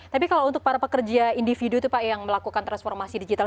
tapi kalau untuk para pekerja individu itu pak yang melakukan transformasi digital